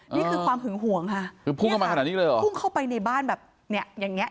นี่คือความหึงหวงค่ะนี่ค่ะพุ่งเข้าไปในบ้านแบบเนี่ยอย่างเนี้ย